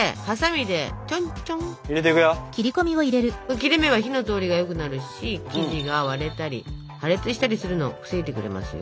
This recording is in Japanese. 切れ目は火の通りがよくなるし生地が割れたり破裂したりするのを防いでくれますよ。